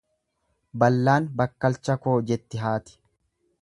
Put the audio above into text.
Ballaan bakkalcha koo jetti haati.